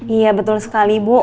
iya betul sekali bu